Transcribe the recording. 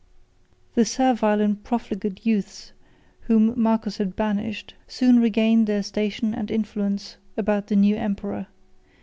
9 The servile and profligate youths whom Marcus had banished, soon regained their station and influence about the new emperor.